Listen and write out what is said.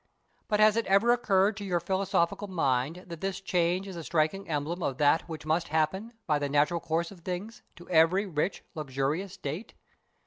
But has it never occurred to your philosophical mind that this change is a striking emblem of that which must happen, by the natural course of things, to every rich, luxurious state?